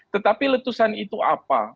tetapi letusan itu apa